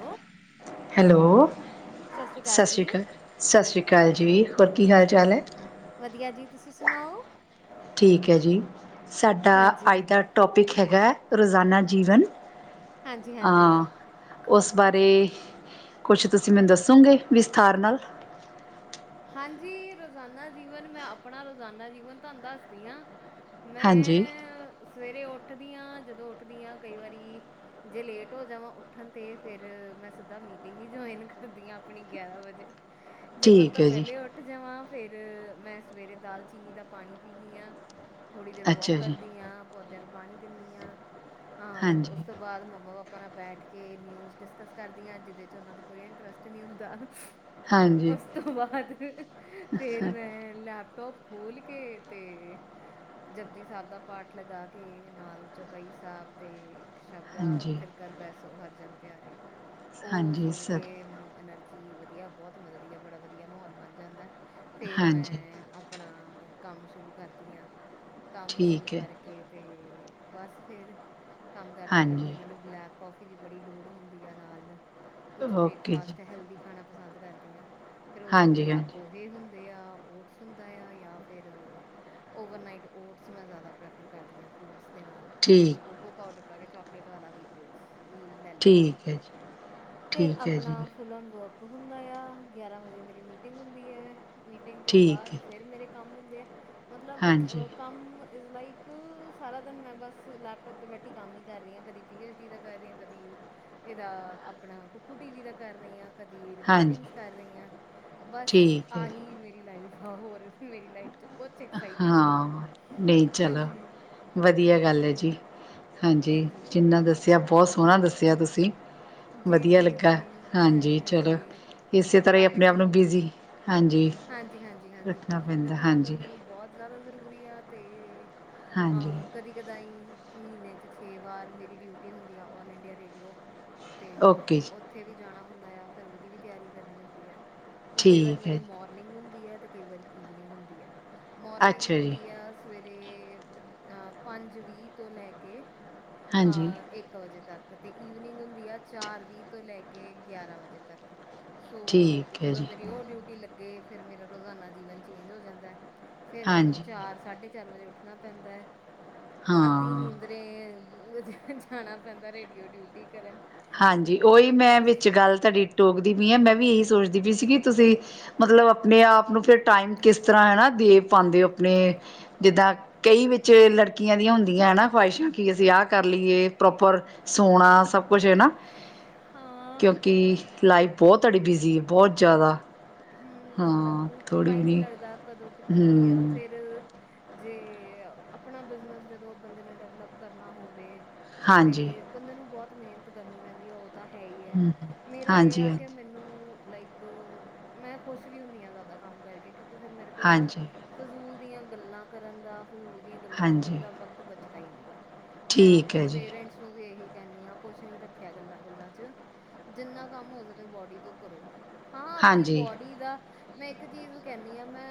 Hello hello, ਸਤਿ ਸ਼੍ਰੀ ਅਕਾਲ ਸਾਸਰੀ ਜੀ ਕਾਲ। ਸਾਸਰੀ ਕਾਲ ਜੀ ਹੋਰ ਕੀ ਹਾਲ ਚਾਲ ਐ? ਵਧੀਆ ਜੀ ਤੁਸੀਂ ਸੁਣਾਓ? ਠੀਕ ਐ ਜੀ ਸਾਡਾ ਅੱਜ ਹਾਂਜੀ ਦਾ ਟੋਪਿਕ ਹੈਗਾ ਰੋਜ਼ਾਨਾ ਜੀਵਨ। ਹਾਂਜੀ ਆਂ ਹਾਂਜੀ ਉਸ ਬਾਰੇ, ਕੁਛ ਤੁਸੀਂ ਮੈਨੂੰ ਦੱਸੋਗੇ ਵਿਸਥਾਰ ਨਾਲ। ਹਾਂਜੀ ਰੋਜ਼ਾਨਾ ਜੀਵਨ ਮੈਂ ਆਪਣਾ ਰੋਜ਼ਾਨਾ ਜੀਵਨ ਤੁਹਾਨੂੰ ਦੱਸਦੀ ਆ। ਹਾਂਜੀ ਮੈਂ ਸਵੇਰੇ ਉੱਠਦੀ ਹਾਂ ਜਦੋਂ ਉੱਠਦੀ ਹਾਂ ਕਈ ਵਾਰੀ ਜੇ ਲੇਟ ਹੋ ਜਾਵਾਂ ਉੱਠਣ ਤੇ ਫਿਰ ਮੈਂ ਸਿੱਧਾ ਮੀਟਿੰਗ ਹੀ ਜੁਆਇਨ ਕਰਦੀ ਹਾਂ ਆਪਣੀ ਗਿਆਰਾਂ ਵਜੇ ਜੇ ਓ ਠੀਕ ਹੈ ਜੀ ਉੱਠ ਜਾਵਾਂ ਫੇਰ ਮੈਂ ਸਵੇਰੇ ਦਾਲ ਚੀਨੀ ਦਾ ਪਾਣੀ ਪੀਂਨੀ ਆ। ਥੋੜ੍ਹੀ ਦੇਰ ਵੋਕ ਅੱਛਾ ਜੀ ਕਰਦੀ ਆ ਪੌਦਿਆਂ ਨੂੰ ਪਾਣੀ ਦਿੰਨੀ ਆ। ਹਾਂ-ਹਾਂ ਉਸ ਹਾਂਜੀ ਤੋਂ ਬਾਅਦ ਮੰਮਾ-ਪਾਪਾ ਨਾਲ ਬੈਠ ਕੇ ਨਿਊਜ਼ ਡਿਸਕਸ ਕਰਦੀਆਂ ਜਿਹਦੇ 'ਚ ਉਹਨਾ ਨੂੰ ਕੋਈ ਇੰਟਰਸਟ ਨੀ ਹੁੰਦਾ। ਹਾਂਜੀ। ਉਸ ਤੋਂ ਬਾਅਦ, ਫੇਰ ਮੈਂ ਲੈਪਟੋਪ ਖੋਲ੍ਹ ਕੇ ਤੇ ਜਪਜੀ ਸਾਹਿਬ ਦਾ ਪਾਠ ਲਗਾ ਕੇ ਨਾਲ ਚੌਪਈ ਸਾਹਿਬ ਤੇ ਸ਼ਬਦ ਆ ਹਾਂਜੀ ਫਿਰ ਕਰ ਬੈਸੋ ਹਰਜਨ ਪਿਆਰੇ, ਉਹ ਹਾਂਜੀ ਸੁਣ ਸਰ ਕੇ ਮੈਨੂੰ ਐਨਰਜੀ ਜੀ ਵਧੀਆ ਬਹੁਤ ਮਿਲਦੀ ਏ ਬੜਾ ਵਧੀਆ ਮਾਹੌਲ ਬਣ ਜਾਂਦਾ ਫੇਰ ਹਾਂਜੀ ਮੈਂ ਆਪ ਆਪਣਾ ਕੰਮ ਸ਼ੁਰੂ ਕਰਦੀ ਆਂ। ਕੰਮ ਸ਼ੁਰੂ ਠੀਕ ਹੈ ਕਰਕੇ ਕੇ ਤੇ ਬਸ ਫੇਰ ਕੰਮ ਹਾਂਜੀ ਕਰਦੇ-ਕਰਦੇ ਮੈਨੂੰ ਬਲੈਕ ਕੌਫੀ ਦੀ ਬੜੀ ਲੋੜ ਹੁੰਦੀ ਆ ਨਾਲ, ਕੁਛ ਓਕੇ ਜੀ ਬ੍ਰੇਕਫਾਸਟ ਹੈਲਦੀ ਖਾਣਾ ਪਸੰਦ ਕਰਦੀ ਆ। ਫਿਰ ਉਹਦੇ ਚ ਹਾਂਜੀ ਜਾਂ ਹਾਂਜੀ ਪੋਹੇ ਹੁੰਦੇ ਆ, ਓਟਸ ਹੁੰਦਾ ਆ ਜਾਂ ਫਿਰ ਔਵਰਨਾਈਟ ਓਟਸ ਮੈਂ ਜ਼ਿਆਦਾ ਪ੍ਰੈਫਰ ਕਰਦੀ ਹਾਂ ਫਰੂਟਸ ਦੇ ਨਾਲ। ਉਹਦੇ 'ਚ ਠੀਕ ਕੋਕੋ ਪਾਊਡਰ ਪਾ ਕੇ ਚਾਕਲੇਟ ਵਾਲਾ ਵੀ ਓਟਸ। ਮੀਲ ਲੈ ਲੈਂਦੀ ਹਾਂ ਠੀਕ ਹੈ ਜੀ ਫੇਰ ਠੀਕ ਹੈ ਆਪਣਾ ਜੀ ਫੁੱਲ ਔਨ ਵਰਕ ਹੁੰਦਾ ਆ ਗਿਆਰਾਂ ਵਜੇ ਮੇਰੀ ਮੀਟਿੰਗ ਹੁੰਦੀ ਹੈ, ਮੀਟਿੰਗ ਤੋਂ ਠੀਕ ਬਾਅਦ ਹੈ ਫਿਰ ਮੇਰੇ ਕੰਮ ਹੁੰਦੇ ਆ, ਹਾਂਜੀ ਮਤਲਬ ਕੰਮ ਇਜ ਲਾਈਕ ਸਾਰਾ ਦਿਨ ਮੈਂ ਬਸ ਲੈਪਟੋਪ ਤੇ ਬੈਠੀ ਕੰਮ ਹੀ ਕਰ ਰਹੀ ਆ ਕਦੀ ਪੀ ਐਚ ਡੀ ਦਾ ਕਰ ਰਹੀ ਆ ਕਦੀ ਇਹਦਾ ਆਪਣਾ ਕੁੱਕੂ ਟੀ ਵੀ ਦਾ ਕਰ ਰਹੀ ਆ। ਕਦੀ ਰਿਕੋਡਿੰਗਸ ਹਾਂਜੀ ਕਰ ਰਹੀ ਆ ਬਸ ਠੀਕ ਹੈ ਜੀ ਆਹੀ ਮੇਰੀ ਲਾਈਫ ਹਾਂ ਹੋਰ ਮੇਰੀ ਲਾਈਫ 'ਚ ਕੁਛ ਐਕਸਾਈਟਿੰਗ ਨੀ ਆ ਹਾਂ ਨਹੀਂ ਚਲੋ ਹਾਂਜੀ। ਵਧੀਆ ਗੱਲ ਹੈ ਜੀ, ਹਾਂਜੀ ਜਿੰਨਾ ਦੱਸਿਆ ਬਹੁਤ ਸੋਹਣਾ ਦੱਸਿਆ ਤੁਸੀਂ ਜੀ ਵਧੀਆ ਜੀ ਲੱਗਾ ਜੀ ਹਾਂਜੀ, ਚਲੋ ਹਾਂਜੀ ਇਸੇ ਤਰਾਂ ਹੀ ਆਪਣੇ ਆਪ ਨੂੰ ਬਾਕੀ ਬਿਜੀ ਹਾਂਜੀ। ਹਾਂਜੀ- ਹਾਂਜੀ ਹਾਂਜੀ, ਰੱਖਣਾ ਬੀਜੀ ਪੈਂਦਾ ਰੱਖਣਾ ਹਾਂਜੀ ਬੰਦੇ ਨੂੰ ਬਹੁਤ ਜ਼ਿਆਦਾ ਜ਼ਰੂਰੀ ਆ ਤੇ, ਹਾਂਜੀ ਅਹ ਕਦੀ ਕਦਾ ਹੀ ਮਹੀਨੇ ਚ ਛੇ ਵਾਰ ਮੇਰੀ ਡਿਊਟੀ ਹੁੰਦੀ ਆ ਆਲ ਇੰਡੀਆ ਰੇਡੀਓ। ਤੇ ਓਕੇ ਜੀ ਉੱਥੇ ਵੀ ਜਾਣਾ ਹੁੰਦਾ ਆ, ਫੇਰ ਉਹਦੀ ਵੀ ਤਿਆਰੀ ਕਰਨੀ ਹੁੰਦੀ ਹੈ, ਉਹ ਕਈ ਵਾਰ ਠੀਕ ਹੈ ਮੇਰੀ ਜੀ ਮੌਰ ਨਿੰਗ ਹੁੰਦੀ ਆ ਤੇ ਕਈ ਵਾਰੀ ਈਵਨਿੰਗ ਹੁੰਦੀ ਆ, ਮਾਰਨਿੰਗ ਅੱਛਾ ਜੀ ਹੁੰਦੀ ਆ- ਸਵੇਰੇ ਪੰਜ ਵੀਹ ਤੋਂ ਲੈ ਕੇ ਹਾਂਜੀ ਅ ਇੱਕ ਇੱਕ ਵਜੇ ਤੱਕ, ਤੇ ਈਵਨਿੰਗ ਹੁੰਦੀ ਆ ਚਾਰ ਵੀਹ ਤੋਂ ਲੈ ਕੇ ਗਿਆਰਾਂ ਵਜੇ ਤੱਕ ਸੋ ਠੀਕ ਹੈ ਜਦੋਂ ਜੀ ਮੇਰੀ ਉਹ ਡਿਊਟੀ ਲੱਗੇ ਫੇਰ ਮੇਰਾ ਰੋਜ਼ਾਨਾ ਜੀਵਨ ਚੇਂਜ ਹੋ ਜਾਂਦਾ। ਫੇਰ ਮੈਨੂੰ ਹਾਂਜੀ ਚਾਰ, ਸਾਢੇ ਚਾਰ ਵਜੇ ਉੱਠਣਾ ਪੈਂਦਾ ਹੈ ਅੱਧੀ ਹਾਂ ਨੀਂਦ ਫੇਰ ਏ ਉੱਧਰ ਜਾਣਾ ਪੈਂਦਾ ਰੇਡੀਓ ਡਿਊਟੀ ਕਰਨ। ਤੇ ਹਾਂਜੀ ਉਹੀ ਮੈਂ ਬਸ ਵਿੱਚ ਗੱਲ ਤੁਹਾਡੀ ਟੋਕਦੀ ਪਈ ਹਾਂ, ਮੈਂ ਵੀ ਇਹੀ ਸੋਚਦੀ ਪਈ ਸੀਗੀ ਤੁਸੀਂ ਮਤਲਬ ਆਪਣੇ ਆਪ ਨੂੰ ਫੇਰ ਟਾਈਮ ਕਿਸ ਤਰਾਂ ਹੈ ਨਾ, ਦੇਵ ਪਾਉਂਦੇ ਹੋ ਆਪਣੇ ਜਿੱਦਾਂ ਕਈ ਵਿੱਚ ਲੜਕੀਆਂ ਦੀਆਂ ਹੁੰਦੀਆਂ ਹਨਾ। ਖਵਾਹਿਸ਼ਾਂ ਕਿ ਅਸੀਂ ਆਹ ਕਰ ਲਈਏ ਪ੍ਰੋਪਰ ਸੋਣਾ ਸਭ ਕੁਛ ਨਾ ਹਾਂ ਕਿਉਂਕਿ ਲਾਈਫ ਬਹੁਤ ਤੁਹਾੜੀ ਬਿਜੀ ਹੈ ਬਹੁਤ ਜ਼ਿਆਦਾ। ਹੂੰ ਮਤਲਬ ਹਾਂ ਥੋੜ੍ਹੀ ਪਤਾ ਵੀ ਹੀ ਨਹੀਂ ਲੱਗਦਾ ਕਦੋਂ, ਕਿੱਥੇ, ਕੀ ਆ ਹਮ ਫੇਰ ਜੇ ਆਪਣਾ ਬਿਜ਼ਨਸ ਜਦੋਂ ਬੰਦੇ ਨੇ ਡਿਵਲਪ ਕਰਨਾ ਹੋਵੇ, ਹਾਂਜੀ ਤੇ ਬੰਦੇ ਨੂੰ ਬਹੁਤ ਮਿਹਨਤ ਕਰਨੀ ਪੈਂਦੀ ਆ, ਉਹ ਤਾਂ ਹੈ ਹੀ ਹੈ, ਹਮ ਮੇਰਾ ਇਹ ਹਾਂਜੀ ਆ ਹਾਂਜੀ ਕਿ ਮੈਨੂੰ ਲਾਈਕ ਇੱਕ ਮੈਂ ਖੁਸ਼ ਵੀ ਹੁੰਦੀ ਹਾਂ ਜ਼ਿਆਦਾ ਕੰਮ ਕਰਕੇ ਕਿਉਂਕਿ ਫੇਰ ਮੇਰੇ ਕੋਲ ਨਾ, ਹਾਂਜੀ ਫਜ਼ੂਲ ਦੀਆਂ ਗੱਲਾਂ ਕਰਨ ਦਾ, ਫਜ਼ੂਲ ਦੀਆਂ ਗੱਲਾਂ ਸੁਣਨ ਹਾਂਜੀ ਦਾ, ਵਕਤ ਬਚਦਾ ਹੀ ਨਹੀਂ ਹੈ। ਮੈਂ ਠੀਕ ਆਪਣੇ ਹੈ ਜੀ ਪੇਰੈਂਟਸ ਨੂੰ ਵੀ ਇਹੀ ਕਹਿੰਦੀ ਹਾਂ। ਕੁਛ ਨਹੀਂ ਰੱਖਿਆ ਗੱਲਾਂ -ਗੁੱਲਾਂ ਚ ਜਿੰਨਾ ਕੰਮ ਹੋ ਸਕੇ ਬੋਡੀ ਤੋਂ ਕਰੋ, ਹਾਂ ਆਪਣੀ ਹਾਂਜੀ ਬੋਡੀ ਦਾ ਮੈਂ ਇੱਕ ਚੀਜ਼ ਕਹਿੰਣੀ ਆ ਮੈਂ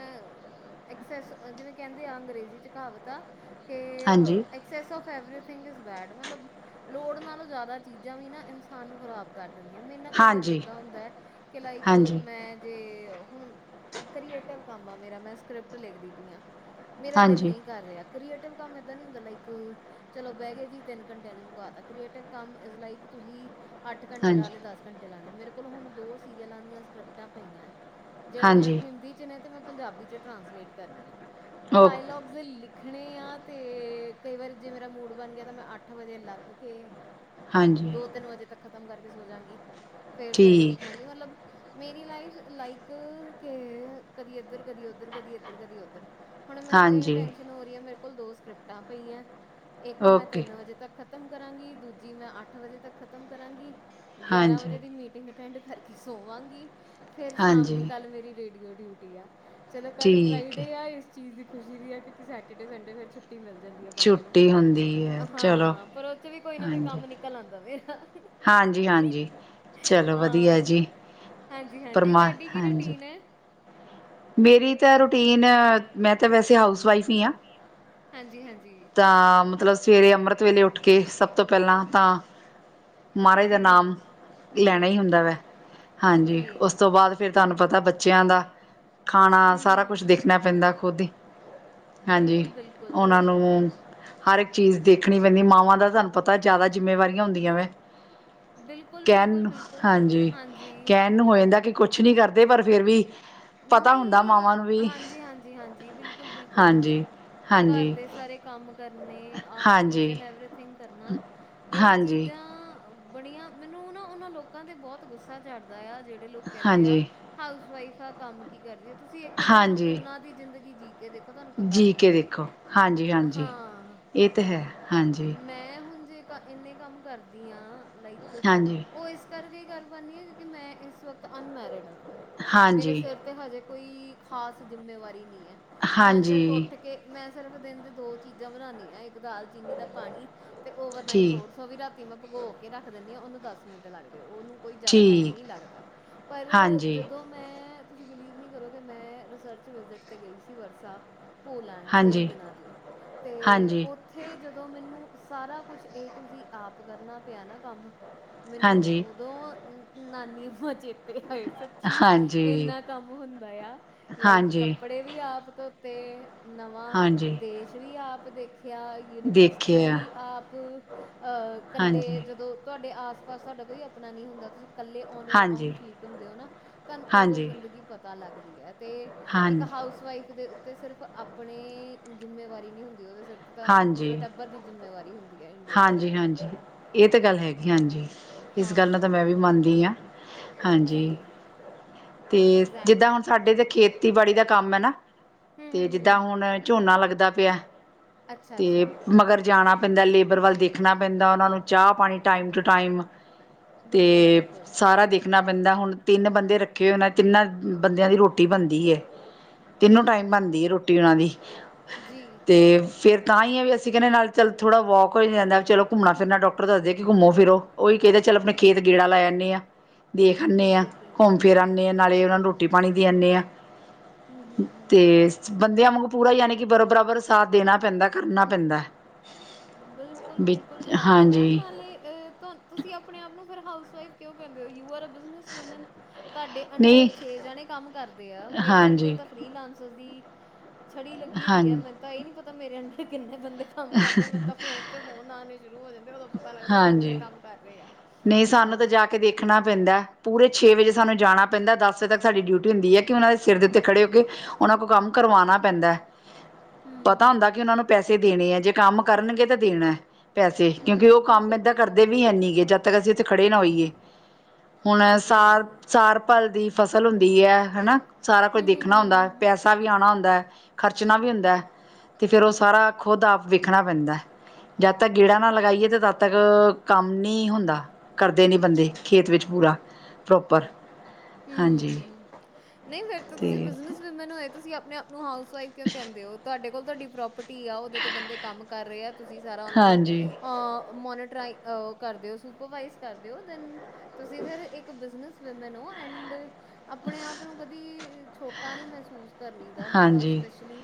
ਐਕਸਸਾਈਜ ਜਿਵੇਂ ਕਹਿੰਦੇ ਆ ਅੰਗਰੇਜ਼ੀ ਚ ਕਹਾਵਤ ਆ ਕੇ ਔ ਹਾਂਜੀ ਐਕ- excess of everything is bad ਮਤਲਬ ਲੋੜ ਨਾਲੋਂ ਜ਼ਿਆਦਾ ਚੀਜ਼ਾਂ ਵੀ ਨਾ ਇਨਸਾਨ ਨੂੰ ਖਰਾਬ ਕਰ ਦਿੰਦੀਆਂ, ਮੇਰੇ ਨਾ ਕਈ ਵਾਰੀ ਹਾਂਜੀ ਏਦਾਂ ਹੁੰਦਾ ਹੈ ਕਿ ਲਾਈ- ਹਾਂਜੀ ਮੈਂ ਜੇ ਹੁਣ ਕੀਏਟਿਵ ਕੰਮ ਆ ਮੇਰਾ ਮੈਂ ਸਕ੍ਰਿਪਟ ਲਿਖਦੀ ਪਈ ਆ ਮੇਰਾ ਦਿਲ ਹਾਂਜੀ ਨਹੀਂ ਕਰ ਰਿਹਾ ਕਰ੍ਰੀਏਟਿਵ ਕੰਮ ਏਦਾਂ ਨਹੀਂ ਹੁੰਦਾ ਲਾਈਕ, ਚਲੋ ਬਹਿ ਗ ਜੀ ਤਿੰਨ ਘੰਟਿਆਂ ਚ ਮੂਕਾ ਤਾਂ। ਅੱਠ ਘੰਟੇ ਲਾ ਹਾਂਜੀ ਲਏ, ਦਸ ਘੰਟੇ ਲਾ ਲਏ, ਮੇਰੇ ਕੋਲ ਹੁਣ ਦੋ ਸੀਰੀਅਲਾਂ ਦੀਆਂ ਸਕ੍ਰਿਪਟਾਂ ਪਈਆਂ। ਜਿਹੜੀਆਂ ਹਾਂਜੀ ਹਿੰਦੀ 'ਚ ਨੇ ਤੇ ਮੈਂ ਪੰਜਾਬੀ 'ਚ ਟਰਾਂਸਲੇਟ ਕਰਨੀਆਂ, ਉਹ ਓਕੇ ਡਾਇਲੋਗ ਲਿਖਣੇ ਆ ਤੇ ਕਈ ਵਾਰੀ ਜੇ ਮੇਰਾ ਮੂਡ ਬਣ ਗਿਆ ਤਾਂ ਮੈਂ ਅੱਠ ਵਜੇ ਲੱਗ ਕੇ, ਹਾਂਜੀ ਦੋ- ਤਿੰਨ ਵਜੇ ਤੱਕ ਖ਼ਤਮ ਕਰਕੇ ਸੋ ਜਾਂਗੀ ਫੇਰ ਸਵੇਰੇ ਠੀਕ ਉੱਠਾਂਗੀ ਮਤਲਬ, ਮੇਰੀ ਲਾਈਫ ਲਾਈਕ ਕਿ ਕਦੀ ਇੱਧਰ- ਕਦੀ ਉਧਰ, ਕਦੀ ਇੱਧਰ- ਕਦੀ ਉੱਧਰ। ਹੁਣ ਮੈਨੂੰ ਇਹ ਹਾਂਜੀ ਟੈਂਸ਼ਨ ਹੋ ਰਹੀ ਹੈ ਮੇਰੇ ਕੋਲ ਦੋ ਸਕ੍ਰਿਪਟਾਂ ਪਈਆਂ, ਇੱਕ ਮੈਂ ਓਕੇ ਤਿੰਨ ਵਜੇ ਤੱਕ ਖਤਮ ਕਰਾਂਗੀ, ਦੂਜੀ ਮੈਂ ਅੱਠ ਵਜੇ ਤੱਕ ਖ਼ਤਮ ਕਰਾਂਗੀ, ਗਿਆਰਾਂ ਹਾਂਜੀ ਵਜੇ ਦੀ ਮੀਟਿੰਗ ਅਟੈਂਡ ਕਰਕੇ ਸੋਵਾਂਗੀ, ਫੇਰ ਸ਼ਾਮ ਦੀ ਹਾਂਜੀ ਕੱਲ ਮੇਰੀ ਰੇਡੀਓ ਡਿਊਟੀ ਆ। ਚਲੋ ਕੱਲ ਠੀਕ ਹੈ ਫਰਾਈਡੇ ਆ, ਇਸ ਚੀਜ਼ ਦੀ ਖੁਸ਼ੀ ਵੀ ਆ ਕਿਉਂਕਿ ਸੈਟਰਡੇ- ਸੰਡੇ ਫੇਰ ਛੁੱਟੀ ਮਿਲ ਜਾਂਦੀ। ਬੰਦੇ ਨੂੰ, ਛੁੱਟੀ ਹੁੰਦੀ ਹੈ ਚਲੋ ਹਾਂ ਪਰ ਉਹ ਚ ਵੀ ਕੋਈ ਨਾ ਕੋਈ ਹਾਂਜੀ ਕੰਮ ਨਿਕਲ ਆਉਂਦਾ, ਮੇਰਾ। ਹਾਂਜੀ ਹਾਂਜੀ ਚਲੋ ਵਧੀਆ ਹਾ। ਜੀ ਹਾਂਜੀ- ਹਾਂਜੀ ਪਰਮਾ ਤੁਹਾਡੀ ਕੀ ਹਾਂਜੀ ਰੂਟੀਨ ਹੈ? ਮੇਰੀ ਤਾਂ ਰੂਟੀਨ ਆ ਮੈਂ ਤਾਂ ਵੈਸੇ ਹਾਓਸ ਵਾਈਫ ਹੀ ਆ, ਹਾਂਜੀ- ਹਾਂਜੀ। ਤਾਂ ਮਤਲਬ ਸਵੇਰੇ ਅੰਮ੍ਰਿਤ ਵੇਲੇ ਉੱਠ ਕੇ ਸਭ ਤੋਂ ਪਹਿਲਾਂ ਤਾਂ ਮਹਾਰਾਜ ਦਾ ਜੀ ਨਾਮ ਲੈਣਾ ਹੀ ਬਿਲਕੁਲ ਹੁੰਦਾ ਵੈ ਬਿਲਕੁਲ ਹਾਂਜੀ ਉਸ ਜੀ ਤੋਂ ਬਾਅਦ ਫਿਰ ਤੁਹਾਨੂੰ ਪਤਾ ਬੱਚਿਆਂ ਦਾ ਖਾਣਾ ਸਾਰਾ ਕੁਛ ਹੂੰ ਦੇਖਣਾ ਪੈਂਦਾ ਖੁਦ ਹੀ ਹਾਂਜੀ ਉਹਨਾਂ ਬਿਲਕੁਲ-ਬਿਲਕੁਲ। ਨੂੰ ਹਰ ਇੱਕ ਚੀਜ਼ ਦੇਖਣੀ ਪੈਂਦੀ ਮਾਵਾਂ ਦਾ ਤੁਹਾਨੂੰ ਪਤਾ ਜ਼ਿਆਦਾ ਜ਼ਿੰਮੇਵਾਰੀਆਂ ਹੁੰਦੀਆਂ ਵੇ ਬਿਲਕੁਲ ਬਿਲਕੁਲ ਬਿਲਕੁਲ ਹਾਂਜੀ ਕਹਿਣ ਨੂੰ ਹੋ ਜਾਂਦਾ ਕਿ ਕੁਛ ਨਹੀਂ ਕਰਦੇ ਪਰ ਫਿਰ ਵੀ ਪਤਾ ਹੁੰਦਾ ਨਹੀਂ ਮਾਵਾਂ ਨੂੰ ਵੀ ਹਾਂਜੀ ਹਾਂਜੀ ਹਾਂਜੀ ਬਿਲਕੁਲ ਬਿਲਕੁਲ ਹਾਂਜੀ ਘਰ ਹਾਂਜੀ ਦੇ ਸਾਰੇ ਕੰਮ ਕਰਨੇ ਆ ਈਚ ਹਾਂਜੀ ਐਂਡ ਐਵਰੀਥਿੰਗ ਕਰਨਾ ਇਹ ਹਾਂਜੀ ਚੀਜ਼ਾਂ ਬੜੀਆਂ ਮੈਨੂੰ ਨਾ ਉਹਨਾਂ ਲੋਕਾਂ ਤੇ ਬਹੁਤ ਗੁੱਸਾ ਚੜਦਾ ਆ ਜਿਹੜੇ ਲੋਕ ਕਹਿੰਦੇ ਆ ਹਾਂਜੀ ਹਾਊਸ ਵਈਫਆ ਕੰਮ ਕੀ ਕਰ ਰਹੀਆ ਤੁਸੀਂ ਇੱਕ ਦਿਨ ਹਾਂਜੀ ਉਹਨਾਂ ਦੀ ਜ਼ਿੰਦਗੀ ਜੀ ਕੇ ਦੇਖੋ ਤੁਹਾਨੂੰ ਪਤਾ ਜੀ ਕੇ ਲੱਗੇ ਦੇਖੋ ਹਾਂਜੀ ਹਾਂਜੀ ਹਾਂ ਇਹ ਤਾਂ ਹੈ ਹਾਂਜੀ ਮੈਂ ਹੁਣ ਜੇ ਤਾਂ ਇੰਨੇ ਕੰਮ ਕਰਦੀ ਹਾਂ ਲਾਈਕ ਹਾਂਜੀ ਉਹ ਇਸ ਕਰਕੇ ਗੱਲ ਬਣਨੀ ਆ ਕਿਉਂਕਿ ਮੈਂ ਇਸ ਵਕਤ ਅਨਮੈਰਿਡ ਹਾਂ ਮੇਰੇ ਹਾਂਜੀ ਸਿਰ ਤੇ ਹਜੇ ਕੋਈ ਖਾਸ ਜਿੰਮੇਵਾਰੀ ਨਹੀਂ ਹੈ ਮੈਂ ਸਿਰਫ ਹਾਂਜੀ ਉੱਠ ਤੇ ਮੈਂ ਸਿਰਫ ਦਿਨ ਦੀ ਦੋ ਚੀਜ਼ਾਂ ਬਣਾਉਂਦੀ ਹਾਂ ਇੱਕ ਦਾਲਚੀਨੀ ਦਾ ਪਾਣੀ ਤੇ ਓਵਰਨਾਈਟ ਟ ਠੀਕ ਉਹ ਵੀ ਰਾਤੀ ਮੈਂ ਭਗੋ ਕੇ ਰੱਖ ਦਿੰਦੀ ਹਾਂ ਉਹਨੂੰ ਦਸ ਮਿੰਟ ਲੱਗਦੇ ਉਹਨੂੰ ਕੋਈ ਜ਼ਿਆਦਾ ਟਾਈਮ ਠੀਕ ਨਹੀਂ ਲੱਗਦਾ ਪਰ ਹਾਂਜੀ ਜਦੋਂ ਮੈਂ ਤੁਸੀਂ ਬਿਲੀਵ ਨੀ ਕਰੋਗੇ ਮੈਂ ਰਿਸਰਚ ਵਿਜਿਟ ਤੇ ਗਈ ਸੀ ਵਰਸਾ ਪੋਲੈਂਡ ਤੇਈ ਹਾਂਜੀ ਦਿਨਾਂ ਲਈ ਅਤੇ ਹਾਂਜੀ ਉਹ ਉੱਥੇ ਜਦੋਂ ਮੈਨੂੰ ਸਾਰਾ ਕੁਝ ਏ ਟੂ ਜੀ ਆਪ ਕਰਨਾ ਪਿਆ ਨਾ, ਕੰਮ ਮੈਨੂੰ ਹਾਂਜੀ ਉਦੋਂ ਨਾਨੀ ਮਾ ਚੇਤੇ ਤੇ ਹਾਏ, ਸੱਚੀ ਹਾਂਜੀ ਇੰਨਾ ਕੰਮ ਹੁੰਦਾ ਆ, ਲਾਈਕ ਹਾਂਜੀ ਕੱਪੜੇ ਵੀ ਆਪ ਧੋਤੇ ਨਵਾਂ ਹਾਂਜੀ ਦੇਸ਼ ਵੀ ਆਪ ਦੇਖਿਆ। ਯੂਨੀਵਰਸਿਟੀ ਦੇਖਿਆ ਵੀ ਆਪ ਆ ਕੱਲੇ ਹਾਂਜੀ ਜਦੋਂ ਤੁਹਾਡੇ ਆਸ-ਪਾਸ ਸਾਡਾ ਕੋਈ ਆਪਣਾ ਨਹੀਂ ਹੁੰਦਾ, ਤਾਂ ਤੁਸੀਂ ਇਕੱਲੇ ਆਉਂਦੇ ਉ 'ਤੇ ਆਓ ਹਾਂਜੀ ਫੀਟ ਹੁੰਦੇ ਹੋ ਨਾ, ਤਾਂ ਤੁਹਾਨੂੰ ਉਦੋਂ ਹਾਂਜੀ ਜ਼ਿੰਦਗੀ ਪਤਾ ਲੱਗਦੀ ਹੈ ਇੱਕ ਹਾਂਜੀ ਹਾਊਸਵਾਈਫ਼ ਦੇ ਉੱਤੇ ਸਿਰਫ਼ ਆਪਣੀ ਜ਼ਿੰਮੇਵਾਰੀ ਨਹੀਂ ਹੁੰਦੀਆਂ, ਉਹਦੇ ਸਿਰ ਉਹਦੇ ਸਿਰ ਤਾਂ ਹਾਂਜੀ ਪੂਰੇ ਟੱਬਰ ਦੀ ਜ਼ਿੰਮੇਵਾਰੀ ਹੁੰਦੀ ਹੈ, ਖ਼ਾਸ ਕਰਕੇ ਇੰਡੀਅਨ ਹਾਂਜੀ ਸਨੇਰੀਓ ਤੇ ਹਾਂਜੀ ਇਹ ਤਾਂ ਗੱਲ ਹੈਗੀ ਹਾਂ ਜੀ, ਇਸ ਹਾਂ ਗੱਲ ਨਾਲ ਤਾਂ ਹਾਂ ਮੈਂ ਵੀ ਮਨਦੀ ਹਾਂ। ਜੀ ਤੇ ਜਿੱਦਾਂ ਐਗਜ਼ੈਕਟਲੀ ਹੁਣ ਸਾਡੇ ਇਥੇ ਤੇ ਖੇਤੀਬਾੜੀ ਦਾ ਕੰਮ ਹੈ ਨਾ, ਨਾ। ਹੂੰ ਤੇ ਹੂੰ ਜਿਦਾ ਹੂੰ ਹੁਣ ਝੋਨਾ ਲੱਗਦਾ ਪਿਆ ਅੱਛਾ ਤੇ ਅੱਛਾ ਮਗਰ ਜਾਣਾ ਪੈਂਦਾ ਲੇਬਰ ਵੱਲ ਦੇਖ ਦੇਖਣਾ ਪੈਂਦਾ, ਉਹਨਾਂ ਨੂੰ ਚਾਹ-ਪਾਣੀ ਟਾਈਮ ਟੂ ਟਾਈਮ ਤੇ ਬਿਲਕੁਲ ਬਿਲਕੁਲ ਸਾਰਾ ਦੇਖ ਰੱਖਣੇ ਪੈਂਦੇ। ਹੁਣ ਤਿੰਨ ਬੰਦੇ ਰੱਖੇ ਹੋਏ ਨੇ, ਤਾਂ ਉਹਨਾਂ ਤਿੰਨਾਂ ਬੰਦਿਆਂ ਦੀ ਰੋਟੀ ਬਣਦੀ ਏ ਤਿੰਨੋ ਟਾਈਮ ਹੂੰ ਬਣਦੀ ਏ ਰੋਟੀ ਉਹਨਾਂ ਦੀ ਜੀ ਫਿਰ ਤਾਂ ਇਹ ਵੀ ਹੈ, ਅਸੀਂ ਕਹਿੰਦੇ ਹਾਂ ਕਿ ਨਾਲ-ਨਾਲ ਥੋੜ੍ਹਾ ਵਾਕ ਵੀ ਹੋ ਜਾਂਦਾ। ਚਲੋ, ਘੁੰਮਣਾ-ਫਿਰਣਾ ਵੀ ਹੋ ਜਾਂਦਾ ਹੈ, ਡਾਕਟਰ ਵੀ ਕਹਿੰਦੇ ਹਨ ਕਿ ਘੁੰਮੋ-ਫਿਰੋ। ਉਹੀ ਕਹਿੰਦੇ ਹਨ, ਚੱਲ ਆਪਣੇ ਖੇਤ ਗੇੜਾ ਲਾ ਆਨੇ ਆ ਦੇਖ ਆਉਂਦੇ ਹਾਂ, ਬਿਲਕੁਲ ਬਿਲਕੁਲ ਘੁੰਮ-ਫਿਰ ਆਉਂਦੇ ਹਾਂ, ਨਾਲੇ ਉਹਨਾਂ ਨੂੰ ਰੋਟੀ-ਪਾਣੀ ਵੀ ਦੇ ਆਉਂਨੇ ਹਾਂ। ਹੰਮ, ਹੰਮ, ਹੰਮ। ਬੰਦਿਆਂ ਵਾਂਗ ਪੂਰਾ, ਯਾਨੀ ਕਿ ਬਰਾਬਰ ਦਾ ਸਾਥ ਦੇਣਾ ਪੈਂਦਾ ਹੈ, ਕਰਨਾ ਪੈਂਦਾ ਬਿਲਕੁਲ, ਵੀ ਬਿਲਕੁਲ, ਇਹ ਫੈਕਟ ਹੈ, ਹਾਂਜੀ ਨਾਲੇ ਤੁਸੀਂ ਆਪਣੇ ਆਪ ਨੂੰ ਫਿਰ ਹਾਊਸ ਵਾਈਫ ਕਿਉਂ ਕਹਿੰਦੇ ਹੋ ਯੂ ਆਰ ਮੈਨੂੰ ਸਮਝ, ਤੁਹਾਡੇ ਅੰਡਰ ਨਹੀਂ ਛੇ ਜਣੇ ਕੰਮ ਕਰਦੇ ਆ, ਮੇਰੇ ਅੰਡਰ ਹਾਂਜੀ ਤਾ ਫਰੀਲਾਂਸਸ ਦੀ ਛੜੀ ਲੱਗੀ ਹਾਂ ਹੋਈ ਹੈ। ਮੈਨੂੰ ਤਾਂ ਇਹ ਵੀ ਨਹੀਂ ਪਤਾ ਕਿ ਮੇਰੇ ਅੰਡਰ ਕਿੰਨੇ ਬੰਦੇ ਕੰਮ ਕਰਦੇ ਹਨ। ਕਰਦੇ। ਮੈਨੂੰ ਤਾਂ ਫੋਨ 'ਤੇ ਫੋਨ ਆਉਣੇ ਸ਼ੁਰੂ ਹੋ ਜਾਂਦੇ ਨੇ, ਉਦੋਂ ਪਤਾ ਲੱਗਦਾ ਕਿ ਐਨੇ ਬੰਦੇ ਹਾਂਜੀ ਕੰਮ ਕਰ ਰਹੇ ਆ। ਨਹੀਂ ਸਾਨੂੰ ਤਾਂ ਹਾਂ ਜਾ ਕੇ ਦੇਖਣਾ ਪੈਂਦਾ। ਪੂਰੇ ਛੇ ਵਜੇ ਸਾਨੂੰ ਜਾਣਾ ਪੈਂਦਾ। ਦਸ ਵਜੇ ਤੱਕ ਸਾਡੀ ਡਿਊਟੀ ਹੁੰਦੀ ਐ ਕਿ ਉਹਨਾਂ ਦੇ ਸਿਰ 'ਤੇ ਖੜ੍ਹੇ ਹੋ ਕੇ ਕੰਮ ਦੀ ਦੇਖਭਾਲ ਕਰੀਏ। ਉਹਨਾਂ ਤੋਂ ਕੰਮ ਕਰਵਾਣਾ ਪੈਂਦਾ। ਪਤਾ ਹੁੰਦਾ ਹੂੰ ਕੀ ਉਹਨਾਂ ਨੂੰ ਪੈਸੇ ਦੇਣੇ ਆ ਜੇ ਕੰਮ ਕਰਨਗੇ ਤਾਂ ਦੇਣਾ। ਪੈਸੇ ਕਿਉਂਕਿ ਉਹ ਕੰਮ ਬਿਲਕੁਲ ਏਦਾਂ ਬਿਲਕੁਲ ਕਰਦੇ ਵੀ ਹੈ ਨੀ ਗੇ ਜਦ। ਜਦੋਂ ਤੱਕ ਅਸੀਂ ਉੱਥੇ ਖੜ੍ਹੇ ਨਾ ਹੋਈਏ, ਹੁਣ ਹਾਂਜੀ ਸਾਲ ਹਾਂਜੀ ਹੂੰ ਸਾਲ ਭਰ ਦੀ। ਫ਼ਸਲ ਹੁੰਦੀ ਐ ਹਨਾ, ਸਾਰਾ ਕੁਝ ਹੂੰ ਹੂੰ ਦੇਖਣਾ ਹੁੰਦਾ। ਹੂੰ ਪੈਸੇ, ਹੂੰ ਪੈਸਾ ਵੀ ਆਣਾ ਹੁੰਦਾ ਐ, ਖਰਚਣਾ ਵੀ ਹੁੰਦਾ ਐ, ਤੇ ਫਿਰ ਉਹ ਸਾਰਾ ਖੁਦ ਆਪ ਦੇਖਣਾ ਪੈਂਦਾ ਜਦ ਤੱਕ ਗੇੜਾ ਨਾ ਲਗਾਈਏ, ਤੇ ਤਦ ਤੱਕ ਕੰਮ ਨੀ ਹੁੰਦਾ। ਕਰਦੇ ਨੀ ਬੰਦੇ ਖੇਤ ਵਿੱਚ ਪੂਰਾ ਪ੍ਰੌਪਰ ਹੂੰ, ਹਾਂਜੀ। ਹੂੰ। ਨਹੀਂ, ਫਿਰ ਤੁਸੀਂ ਅਤੇ ਬਿਜ਼ਨਸਵੁਮੈਨ ਹੋਏ ਤੁਸੀਂ ਆਪਣੇ ਆਪ ਨੂੰ ਹਾਊਸਵਾਈਫ ਕਿਉਂ ਕਹਿੰਦੇ ਓ? ਤੁਹਾਡੇ ਕੋਲ ਤੁਹਾਡੀ, ਪ੍ਰੋਪਰਟੀ ਆ ਉਹਦੇ 'ਤੇ ਬੰਦੇ ਕੰਮ ਕਰ ਰੇ ਆ ਤੁਸੀਂ ਸਾਰਾ ਉਹਨਾਂ ਨੂੰ ਹਾਂਜੀ ਮੋਨੀਟਰਾਈ। ਅ ਕਰਦੇ ਓ, ਸੁਪਰਵਾਈਜ਼ ਕਰਦੇ ਓ ਦੈਨ ਤੁਸੀਂ ਫਿਰ ਇੱਕ ਬਿਜ਼ਨਸ ਵੁਮਨ ਓ ਐਂਡ, ਆਪਣੇ ਆਪ ਨੂੰ ਕਦੀ ਛੋਟਾ ਨੀ ਮਹਿਸੂਸ ਕਰੀ ਦਾ ਹਾਂਜੀ ਸਪੈਸ਼ਲੀ।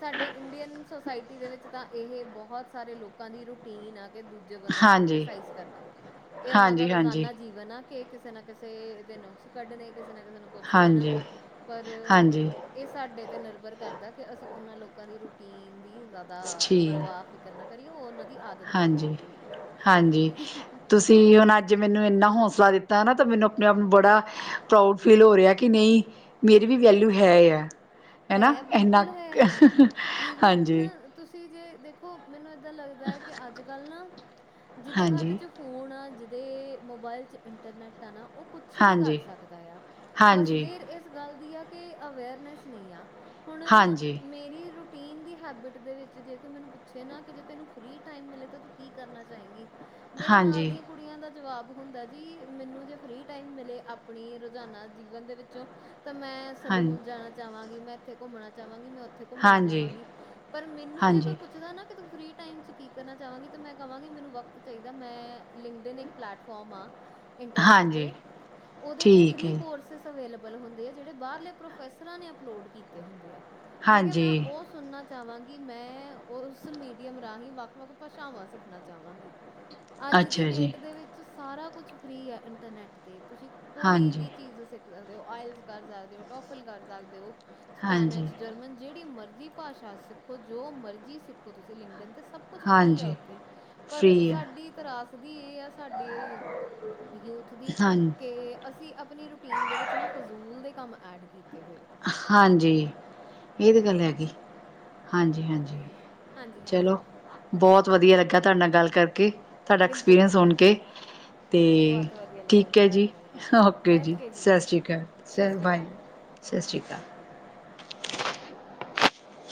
ਸਾਡੀ ਇੰਡੀਅਨ ਸੋਸਾਇਟੀ ਦੇ ਵਿੱਚ ਤਾਂ ਇਹ ਬਹੁਤ ਸਾਰੇ ਲੋਕਾਂ ਦੀ ਰੁਟੀਨ ਆ। ਦੂਜੇ ਬੰਦੇ ਨੂੰ ਹਾਂਜੀ ਕ੍ਰਿਟਿਸਾਈਜ਼ ਕਰਨਾ ਏ ਉਹਨਾਂ ਦਾ ਹਾਂਜੀ ਹਾਂਜੀ ਰੋਜਾਨਾ ਜੀਵਨ ਨਾ ਕਿ ਕਿਸੇ ਨਾ ਕਿਸੇ ਦੇ ਨੁਕਸ ਕੱਢਣੇ, ਕਿਸੇ ਨਾ ਕਿਸੇ ਨੂੰ ਕੁਛ ਕਹਿਣਾ ਹਾਂਜੀ ਪਰ ਹਾਂਜੀ ਇਹ ਸਾਡੇ 'ਤੇ ਨਿਰਭਰ ਕਰਦਾ ਐ ਕਿ ਅਸੀਂ ਉਹਨਾਂ ਲੋਕਾਂ ਦੀ ਰੂਟੀਨ ਦੀ ਜਿਆਦਾ ਠੀਕ ਪਰਵਾਹ ਫ਼ਿਕਰ ਨਾ ਕਰੀਏ ਓ ਉਹਨਾਂ ਦੀ ਆਦਤ ਬਣ ਹਾਂਜੀ, ਚੁੱਕੀ ਹੋਈ ਆ। ਤੀ ਹੁਣ ਅੱਜ ਮੈਨੂੰ ਇੰਨਾ ਹੌਂਸਲਾ ਦਿੱਤਾ ਤਾਂ ਕਿ ਮੈਨੂੰ ਆਪਣੇ ਆਪ ਨੂੰ ਬੜਾ, ਪ੍ਰਾਊਡ ਫੀਲ ਹੋ ਰਿਆ ਕਿ ਨਹੀਂ ਮੇਰੀ ਵੀ ਵੈਲਿਊ ਹੈ ਆ। ਹੈ ਨਾ ਇਨਾ ਬਿਲਕੁਲ ਹੈ ਈਵਨ ਹਾਂਜੀ। ਤੁਸੀਂ ਜੇ ਦੇਖੋ ਮੈਨੂੰ ਏਦਾਂ ਲੱਗਦਾ ਐ ਕਿ ਅੱਜ ਕੱਲ ਨਾ ਜਿਹਦੇ ਹੱਥ ਹਾਂਜੀ। ਚ ਫੋਨ ਆ ਜਿਹਦੇ ਮੋਬਾਇਲ 'ਚ ਇੰਟਰਨੈੱਟ। ਨਾ ਓ ਕੁਛ ਵੀ ਕਰ ਹਾਂਜੀ, ਸਕਦਾ ਆ ਬਸ ਹਾਂਜੀ, ਦੇਰ ਏਸ ਗੱਲ ਦੀ ਆ ਕਿ ਅਵੇਅਰਨੈਸ। ਨਹੀਂ ਆ ਹੁਣ ਹਾਂਜੀ, ਮੇਰੀ ਰੂਟੀ ਨ ਦੀ ਹੈਬਿਟ ਦੇ ਵਿੱਚ ਜੇ ਕੋਈ ਮੈਨੂੰ ਪੁੱਛੇ ਨਾ ਕਿ ਜੇ ਤੈਨੂੰ ਫਰੀ ਟਾਈਮ ਮਿਲੇ ਤਾਂ ਤੂੰ ਕੀ ਕਰਨਾ ਚਾਹੇਗੀ। ਮੇਰੇ ਹਾਂ ਨਾਲ ਦੇ, ਕੁੜੀਆਂ ਦਾ ਜਵਾਬ ਹੁੰਦਾ ਜੀ ਮੈਨੂੰ ਜੇ ਫਰੀ ਟਾਈਮ ਮਿਲੇ ਆਪਣੀ ਰੋਜ਼ਾਨਾ ਜੀਵਨ ਦੇ ਵਿੱਚੋਂ। ਤਾਂ ਮੈਂ ਸਲੂਨ ਜਾਣਾ ਚਾਵਾਂਗੀ। ਮੈਂ ਇੱਥੇ ਘੁੰਮਣਾ ਚਾਵਾਂਗੀ। ਮੈਂ ਉੱਥੇ ਘੁੰਮਣਾ ਹਾਂਜੀ, ਜਾਵਾਂਗੀ ਪਰ ਮੈਨੂੰ ਜੇ ਹਾਂਜੀ, ਕੋਈ ਪੁੱਛਦਾ ਨਾ ਕਿ ਤੂੰ ਫਰੀ ਟਾਈਮ ਚ ਕਿ ਕੀ ਕਰਨਾ ਚਾਵਾਂਗੀ। ਤੇ ਮੈਂ ਕਵਾਂਗੀ ਮੈਨੂੰ ਵਕਤ ਚਾਹੀਦਾ ਮੈਂ ਲਿੰਕਡਨ ਇੱਕ ਪਲੈਟਫੋਮ ਆ। ਇੰਟਰਨੈੱਟ ਹਾਂਜੀ 'ਤੇ ਉਹਦੇ 'ਤੇ ਠੀਕ ਹੈ। ਫਰੀ ਜੀ। ਕੋਰਸਿਸ ਅਵੇਲੇਬਲ ਹੁੰਦੇ ਆ ਜਿਹੜੇ ਬਾਹਰਲੇ ਪ੍ਰੋਫੈਸ ਰਾ ਨੇ ਅਪਲੋਡ ਕੀਤੇ ਹੁੰਦੇ ਆ। ਮੈਂ ਕਿਹਾ ਹਾਂਜੀ, ਮੈਂ ਓਸ, ਸੁਣਨਾ ਚਾਵਾਂਗੀ। ਮੈਂ ਉਸ ਮੀਡੀਅਮ ਰਾਹੀਂ ਵੱਖ-ਵੱਖ ਭਾਸ਼ਾਵਾਂ ਸਿੱਖਣਾ ਚਾਵਾਂਗੀ। - [inaudible] ਅੱਜ ਦੀ ਅੱਛਾ ਜੀ, ਡੇਟ ਦੇ ਵਿੱਚ ਸਾਰਾ ਕੁਛ ਫਰੀ ਐ। ਇੰਟਰਨੈੱਟ 'ਤੇ ਤੁਸੀਂ ਕੋਈ ਹਾਂਜੀ, ਵੀ ਚੀਜ਼ ਸਿੱਖ ਕਰ ਸਕਦਾ ਓ। ਆਇਲਸ ਕਰ ਸਕਦੇ ਓ। ਟੋਫੀਲ ਕਰ ਸਕਦੇ ਓ। ਹਾਂਜੀ, ਸਪੈਨਿਜ ਜਰਮਨ ਜਿਹੜੀ ਮਰਜ਼ੀ। ਭਾਸ਼ਾ ਸਿੱਖੋ ਜੋ ਮਰਜ਼ੀ ਸਿੱਖੋ ਤੁਸੀਂ ਲਿੰਗਡਨ 'ਤੇ ਸਭ। ਸਭ ਕੁਛ ਫਰੀ ਆ ਹਾਂਜੀ। ਓਥੇ ਪਰ ਫ੍ਰੀ ਆ ਸਾਡੀ। ਤਰਾਸ ਵੀ ਏ ਆ ਸਾਡੇ ਯੂਥ ਦੀ ਹਾਂ, ਕੇ ਅਸੀਂ। ਅਸੀਂ ਆਪਣੀ ਰੂਟੀਨ ਦੇ ਵਿੱਚ ਨਾ ਫਜ਼ੂਲ ਦੇ ਕੰਮ ਐਡ ਕੀਤੇ ਹੋਏ ਆ। ਹਾਂਜੀ, ਇਹ ਤੇ ਗੱਲ ਹੈਗੀ ਹਾਂਜੀ ਹਾਂਜੀ। ਹਾਂਜੀ ਚਲੋ ਹਾਂਜੀ। ਬਹੁਤ ਵਧੀਆ ਲੱਗਾ ਤੁਹਾਡੇ ਨਾਲ ਗੱਲ ਕਰਕੇ, ਤੁਹਾਡਾ ਬਿਲਕੁਲ ਐਕਸਪੀਰੀਅੰਸ ਜੀ। ਸੁਣ ਕੇ ਤੇ ਬਹੁਤ ਵਧੀਆ ਲੱਗਿਆ ਠੀਕ ਮੈਨੂੰ ਹੈ ਤੁਹਾਡੇ ਜੀ, ਨਾਲ ਗੱਲ ਕਰਕੇ। ਓਕੇ ਜੀ, ਸਤਿ ਬਾਏ, ਸ਼੍ਰੀ ਅਕਾਲ, ਸਤਿ ਸਰ ਸ਼੍ਰੀ ਬਾਏ। ਅਕਾਲ। ਸਤਿ ਸ਼੍ਰੀ ਅਕਾਲ।